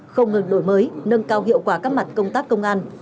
không ngừng đổi mới nâng cao hiệu quả các mặt công tác công an